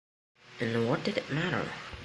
And what did it matter?